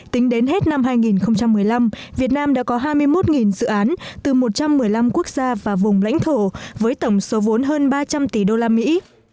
tính đến hết năm hai nghìn một mươi năm việt nam đã có hai mươi một dự án từ một trăm một mươi năm quốc gia và vùng lãnh thổ với tổng số vốn hơn ba trăm linh tỷ đô la mỹ